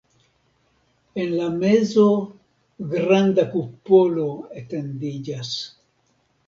En la mezo granda kupolo etendiĝas.